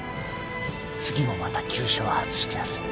次もまた急所は外してやる。